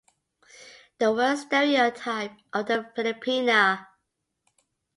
The worst stereotype of the Filipina.